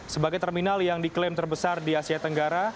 sebagai terminal yang diklaim terbesar di asia tenggara